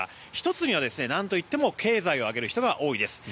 １つには何といっても経済を挙げる人が多いです。